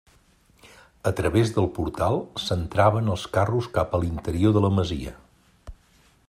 A través del portal s'entraven els carros cap a l'interior de la masia.